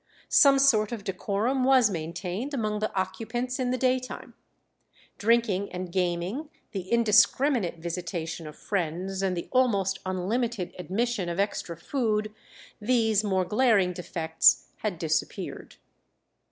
Some sort of decorum was maintained among the occupants in the day time. Drinking and gaming, the indiscriminate visitation of friends, and the almost unlimited admission of extra food, these more glaring defects had disappeared.